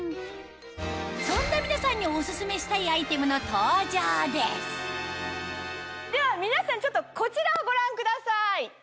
そんな皆さんにオススメしたいアイテムの登場ですでは皆さんちょっとこちらをご覧ください。